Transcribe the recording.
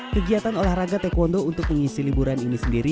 kegiatan olahraga taekwondo untuk mengisi liburan ini sendiri